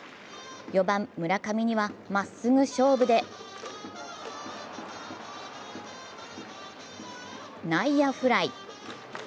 ４番・村上にはまっすぐ勝負で内野フライ。